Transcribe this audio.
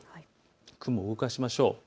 雲を動かしましょう。